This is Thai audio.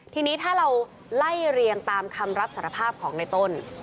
ทีนี้ถ้าเราไล่เรียงตามคำรับสารภาพของในต้น